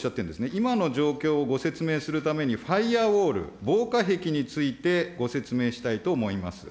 今の状況をご説明するためにファイヤーウォール・防火壁についてご説明したいと思います。